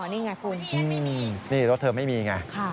อ๋อนี่ไงคุณที่นี่รถเธอไม่มีไง